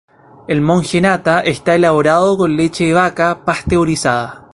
El Monje Nata está elaborado con leche de vaca pasteurizada.